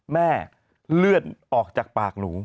เลือดออกจากปากหนู